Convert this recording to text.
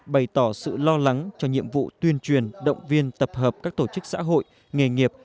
bày tỏ sự lo lắng cho nhiệm vụ tuyên truyền động viên tập hợp các tổ chức xã hội nghề nghiệp